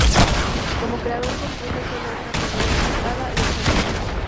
Como creador compuso sólo una comedia, titulada "Los cautivos".